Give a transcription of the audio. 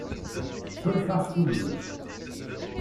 Ḥulfaɣ s tugdi.